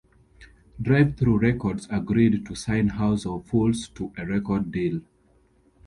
Drive-Thru Records agreed to sign House of Fools to a record deal.